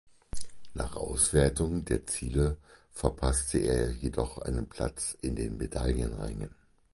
Nach Auswertung der Ziele verpasste er jedoch einen Platz in den Medaillenrängen.